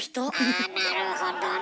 あなるほどね。